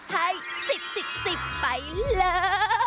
ให้สิบสิบสิบไปเลย